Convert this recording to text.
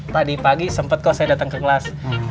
tadi pagi sempat kok saya datang ke kelas